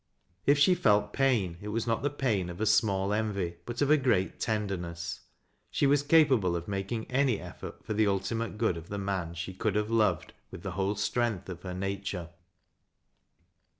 If she felt pain, it was not the pain cf a small envy, lint of a great tenderness. She was capable of making any effort for the nltimate good of the man she could have loved with the whole strength of her nature.